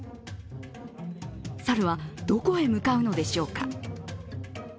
猿はどこへ向かうのでしょうか。